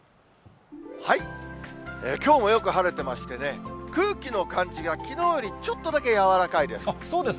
きょうもよく晴れてましてね、空気の感じがきのうよりちょっとだけ柔らかいです。